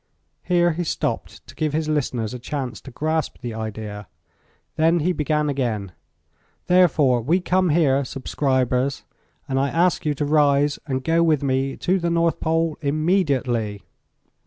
Here he stopped to give his listeners a chance to grasp the idea. Then he began again: "Therefore, we come here, subscribers, and I ask you to rise and go with me to the North Pole immediately."